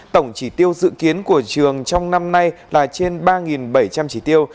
tổng chỉ tiêu dự kiến của trường trong năm nay là trên ba bảy trăm linh chỉ tiêu